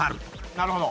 なるほど。